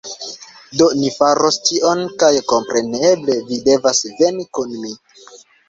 Do, ni faros tion kaj kompreneble vi devas veni kun mi